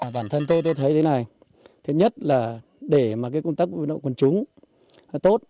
bản thân tôi thấy thế này thứ nhất là để công tác vận động quân chúng tốt